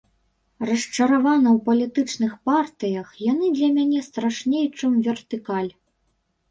Расчаравана ў палітычных партыях, яны для мяне страшней, чым вертыкаль.